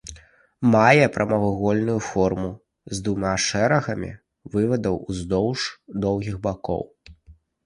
Мае прамавугольную форму з двума шэрагамі вывадаў уздоўж доўгіх бакоў.